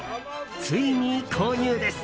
ついに購入です。